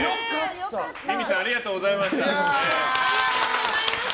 ミミさんありがとうございました。